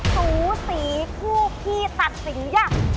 ถูสีพูพี่ตัดสิลอย่าง